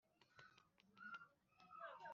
ntubikeke ko ari iby' imwe !